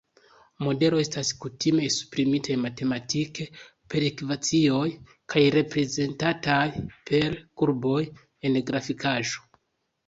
Modelo estas kutime esprimitaj matematike, per ekvacioj, kaj reprezentataj per kurboj en grafikaĵo.